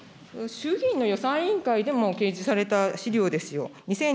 衆議院の予算委員会でも提示された資料ですよ。